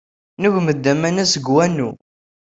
Nugem-d aman-a seg wanu.